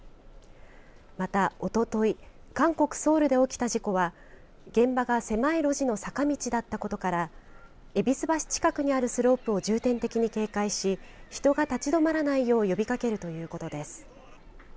また、おととい韓国ソウルで起きた事故は現場が狭い路地の坂道だったことから戎橋近くにあるスロープを重点的に警戒し人が立ち止まらないよう呼びかけるということです。